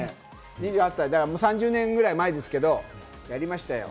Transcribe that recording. ２８歳で３０年ぐらい前ですけど、やりましたよ。